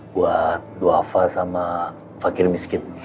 buat duafa sama fakir miskin